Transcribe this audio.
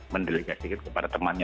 mendelegasikan kepada temannya